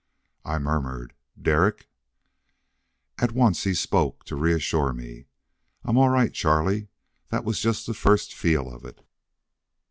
I murmured, "Derek " At once he spoke, to reassure me. "I'm all right, Charlie. That was just the first feel of it."